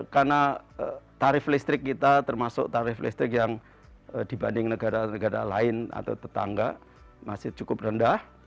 karena tarif listrik kita termasuk tarif listrik yang dibanding negara negara lain atau tetangga masih cukup rendah